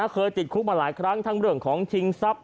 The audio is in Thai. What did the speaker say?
เคยติดคุกมาหลายครั้งทั้งเรื่องของชิงทรัพย